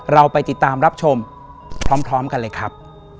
เราไปติดตามรับชมพร้อมกันเลยครับ